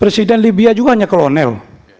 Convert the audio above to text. presiden libya juga hanya kolonel